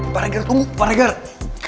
tidak aku mau ke rumah